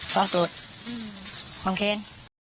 ความโกรธ